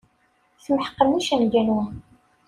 Tmeḥqem icenga-nwen.